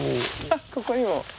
あっここにも。